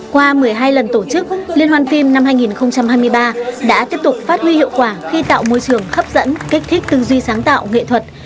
qua một mươi hai lần tổ chức liên hoàn phim năm hai nghìn hai mươi ba đã tiếp tục phát huy hiệu quả khi tạo môi trường hấp dẫn kích thích tư duy sáng tạo nghệ thuật